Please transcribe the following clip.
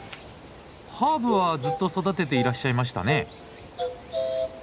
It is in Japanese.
ハーブはずっと育てていらっしゃいましたね。